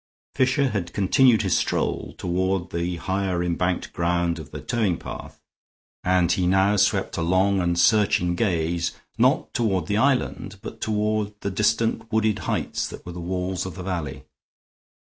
Fisher had continued his stroll toward the higher embanked ground of the towing path, and he now swept a long and searching gaze, not toward the island, but toward the distant wooded heights that were the walls of the valley.